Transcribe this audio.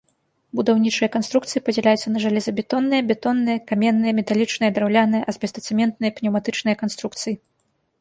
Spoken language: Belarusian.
Будаўнічыя канструкцыі падзяляюцца на жалезабетонныя, бетонныя, каменныя, металічныя, драўляныя, азбестацэментныя, пнеўматычныя канструкцыі.